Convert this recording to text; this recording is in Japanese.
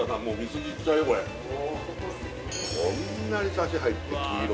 これこんなにサシ入って黄色